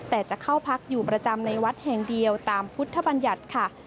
แต่จะเข้าพักอยู่ประจำในวัดแห่งเดียวตามพุทธบัญญัติค่ะ